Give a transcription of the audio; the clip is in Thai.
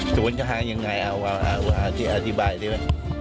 สวนทางยังไงอธิบายได้ไหม